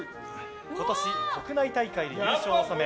今年、国内大会で優勝を収め